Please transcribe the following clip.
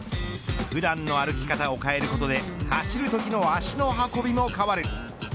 普段の歩き方を変えることで走るときの足の運びも変わる。